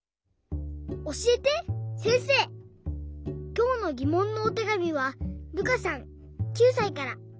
きょうのぎもんのおてがみはるかさん９さいから。